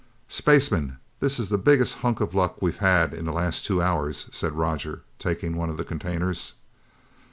"Spaceman, this is the biggest hunk of luck we've had in the last two hours," said Roger, taking one of the containers.